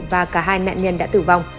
và cả hai nạn nhân đã tử vong